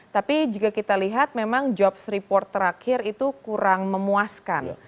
tapi jika kita lihat memang jobs report terakhir itu kurang memuaskan